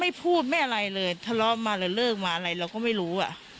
ไม่พูดไม่อะไรเลยทะเลาะมาแล้วเลิกมาอะไรเราก็ไม่รู้อ่ะ